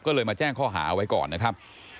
ก็เลยมาแจ้งข้อหาไว้ก่อนนะครับ